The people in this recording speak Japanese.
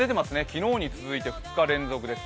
昨日に続いて２日連続です。